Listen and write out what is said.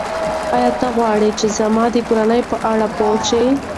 ایا ته غواړې چې زما د کورنۍ په اړه پوه شې؟